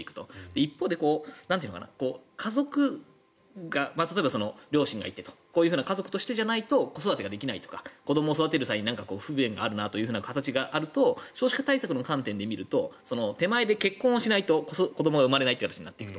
一方で、家族が例えば両親がいてとかこういう家族としてじゃないと子育てができないとか子どもを育てる際に不便があるなという形があると少子化対策の観点で見ると手前で結婚をしないと子どもが生まれないという形になってくると。